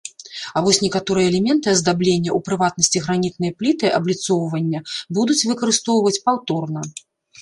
А вось некаторыя элементы аздаблення, у прыватнасці, гранітныя пліты абліцоўвання, будуць выкарыстоўваць паўторна.